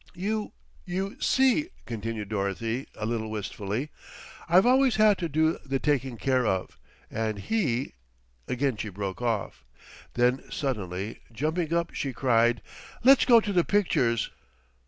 "You you see," continued Dorothy a little wistfully, "I've always had to do the taking care of, and he " Again she broke off. Then suddenly jumping up she cried, "Let's go to the pictures.